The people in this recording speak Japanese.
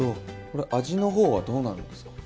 これ味の方はどうなるんですか？